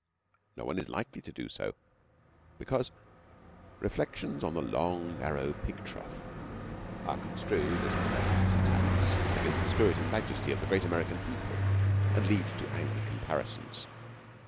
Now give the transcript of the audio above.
No one is likely to do so, because reflections on the long, narrow pig trough are construed as malevolent attacks against the spirit and majesty of the great American people, and lead to angry comparisons.